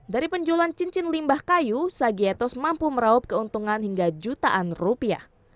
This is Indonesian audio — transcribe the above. dari penjualan cincin limbah kayu sagietos mampu meraup keuntungan hingga jutaan rupiah